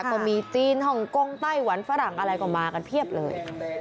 ก็มีจีนฮ่องกงไต้หวันฝรั่งอะไรก็มากันเพียบเลย